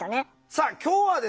さあ今日はですね